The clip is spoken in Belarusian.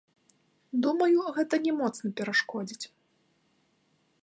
Думаю, гэта не моцна перашкодзіць.